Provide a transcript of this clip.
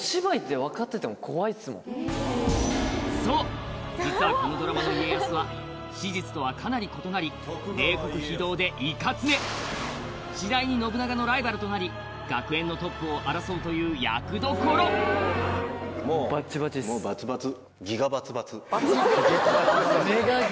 そう実はこのドラマの家康は史実とはかなり異なり次第に信長のライバルとなり学園のトップを争うという役どころもうバツバツ。